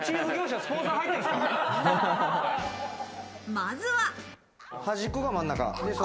まずは。